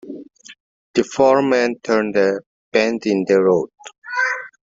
The four men turned a bend in the road.